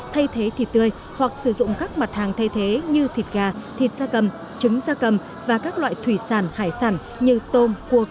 thay thế thịt tươi hoặc sử dụng các mặt hàng thay thế như thịt gà thịt da cầm trứng da cầm và các loại thủy sản hải sản như tôm cua cá